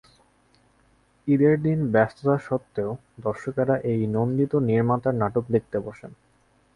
ঈদের দিনের ব্যস্ততা সত্ত্বেও দর্শকেরা এই নন্দিত নির্মাতার নাটক দেখতে বসেন।